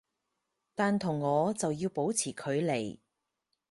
但同我就要保持距離